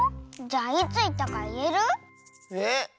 じゃあいついったかいえる？え？